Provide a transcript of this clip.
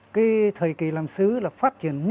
cái thời kỳ làm xứ là phát triển